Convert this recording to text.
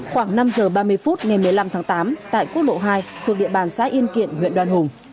khoảng năm giờ ba mươi phút ngày một mươi năm tháng tám tại quốc lộ hai thuộc địa bàn xã yên kiện huyện đoàn hùng